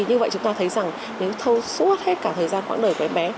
như vậy chúng ta thấy rằng nếu thâu suốt hết cả thời gian khoảng đời của em bé